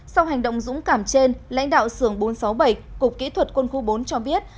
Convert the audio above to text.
sau hành động dũng cảm trên lãnh đạo sường bốn trăm sáu mươi bảy cục kỹ thuật quân khu bốn cho biết